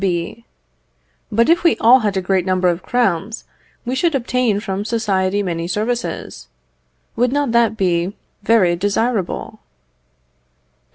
B. But if we all had a great number of crowns we should obtain from society many services. Would not that be very desirable?